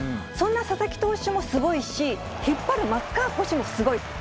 そんな佐々木投手もすごいし、引っ張る松川捕手もすごい。